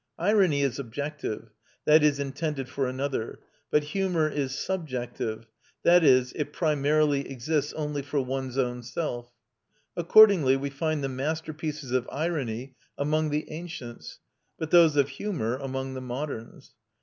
Irony is objective, that is, intended for another; but humour is subjective, that is, it primarily exists only for one's own self. Accordingly we find the masterpieces of irony among the ancients, but those of humour among the moderns.